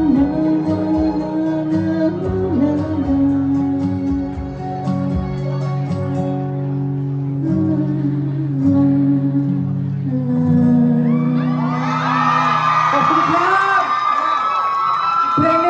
ธีร์ที่ทำว่าเมื่อนี้เธอจะอยู่ยังไง